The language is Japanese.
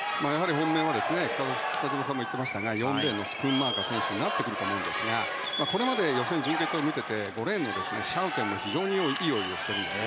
本命は北島さんも言っていたように４レーンのスクンマーカー選手になってくると思うんですがこれまで予選、準決を見ていて５レーンのシャウテンも非常にいい泳ぎをしているんです。